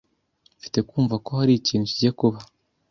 Mfite kumva ko hari ikintu kigiye kuba.